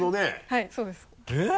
はいそうです。えっ？